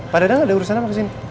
pak dadang ada urusan apa kesini